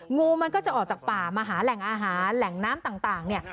งูมันก็จะออกจากป่ามาหาแหล่งอาหารแหล่งน้ำต่างเนี่ย